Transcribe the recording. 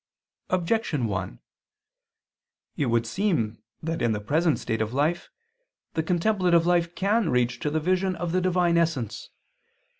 Objection 1: It would seem that in the present state of life the contemplative life can reach to the vision of the Divine essence.